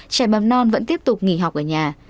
trẻ mầm non vẫn tiếp tục nghỉ học ở nhà